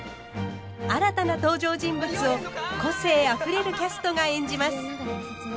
新たな登場人物を個性あふれるキャストが演じます。